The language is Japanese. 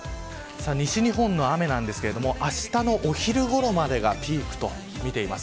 西日本の雨ですがあしたのお昼ごろまでがピークとみています。